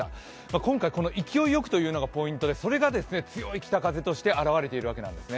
今回、勢いよくというのがポイントで、それが強い北風として表れているわけなんですね。